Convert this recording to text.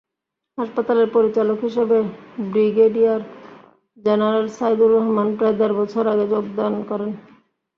হাসপাতালের পরিচালক হিসেবে ব্রিগেডিয়ার জেনারেল সাইদুর রহমান প্রায় দেড় বছর আগে যোগদান করেন।